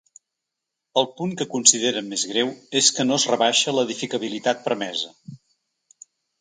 El punt que consideren més greu és que no es rebaixa l’edificabilitat permesa.